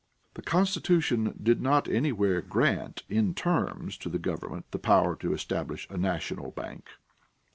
The Constitution did not anywhere grant in terms to the government the power to establish a national bank.